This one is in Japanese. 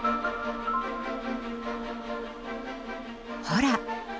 ほら！